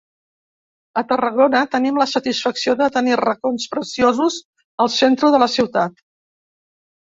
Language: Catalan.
A Tarragona tenim la satisfacció de tenir racons preciosos al centre de la ciutat.